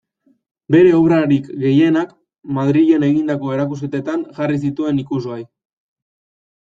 Bere obrarik gehienak Madrilen egindako erakusketetan jarri zituen ikusgai.